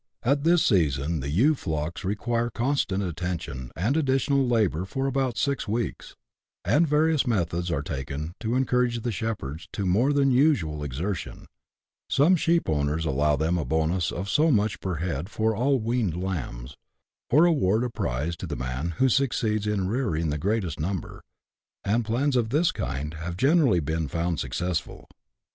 At this season the ewe flocks require constant attention and additional labour for about six weeks, and various methods are taken to encourage the shepherds to more than usual exer tion ; some slieepovvners allow them a bonus of so much per head for all weaned lambs, or award a prize to the man who succeeds in rearing the greatest number; and plans of this kind have generally been found successful.